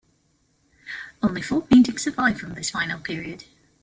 Only four paintings survive from this final period.